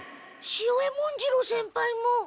潮江文次郎先輩も。